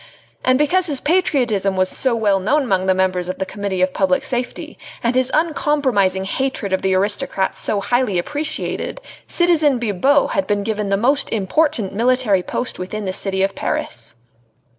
And because his patriotism was so well known among the members of the Committee of Public Safety, and his uncompromising hatred of the aristocrats so highly appreciated, citizen Bibot had been given the most important military post within the city of Paris.